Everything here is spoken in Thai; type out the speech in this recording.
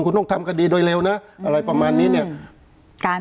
คุณต้องทำคดีโดยเร็วนะอะไรประมาณนี้เนี่ย